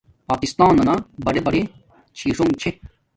پاکستانانا بڑے بڑے چھی ݽنݣ چھے